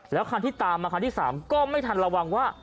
แล้วคันที่ตามมาคันที่๓ก็ไม่ทันระวังว่า